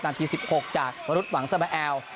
นาที๑๖จากวรุธหวังเสมอแอล